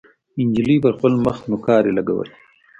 نجلۍ پر خپل مخ نوکارې لګولې.